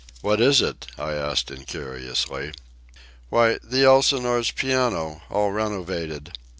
"What is it?" I asked incuriously. "Why, the Elsinore's piano, all renovated.